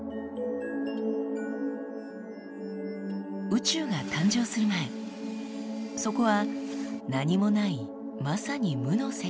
宇宙が誕生する前そこは何もないまさに無の世界でした。